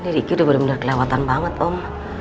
ini riki udah benar benar kelewatan banget om